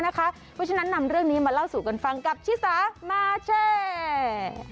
เพราะฉะนั้นนำเรื่องนี้มาเล่าสู่กันฟังกับชิสามาแชร์